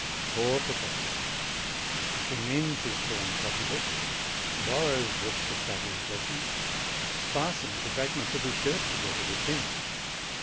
Poor Precossi! He mends his torn copy books, borrows books to study his lessons, fastens the frag ments of his shirt together with pins.